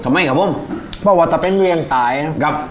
ทำไมครับผมเพราะว่าจะเป็นเรียงต่ายครับ